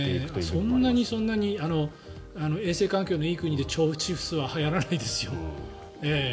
そんなに衛生環境のいい国で腸チフスははやらないですよ。